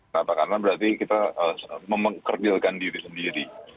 kenapa karena berarti kita memengkerdilkan diri sendiri